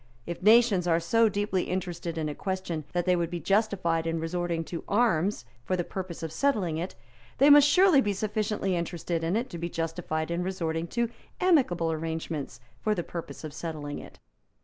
If nations are so deeply interested in a question that they would be justified in resorting to arms for the purpose of settling it, they must surely be sufficiently interested in it to be justified in resorting to amicable arrangements for the purpose of settling it.